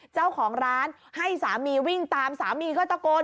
เจ้าของร้านให้สามีวิ่งตามสามีก็ตะโกน